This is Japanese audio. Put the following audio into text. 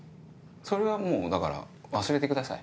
それはもうだから忘れてください。